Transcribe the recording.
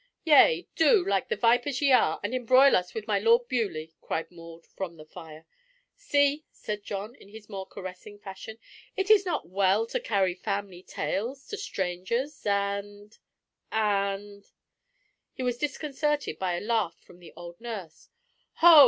"Yea, do, like the vipers ye are, and embroil us with my Lord of Beaulieu," cried Maud from the fire. "See," said John, in his more caressing fashion, "it is not well to carry family tales to strangers, and—and—" He was disconcerted by a laugh from the old nurse, "Ho!